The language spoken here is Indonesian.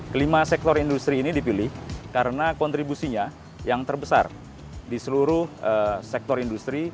kelima sektor industri ini dipilih karena kontribusinya yang terbesar di seluruh sektor industri